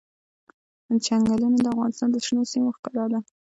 چنګلونه د افغانستان د شنو سیمو ښکلا ده.